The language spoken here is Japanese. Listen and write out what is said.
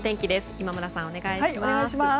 今村さん、お願いします。